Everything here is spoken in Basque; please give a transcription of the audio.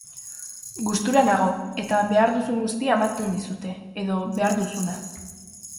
Gustura nago eta behar duzun guztia ematen dizute, edo behar duzuna.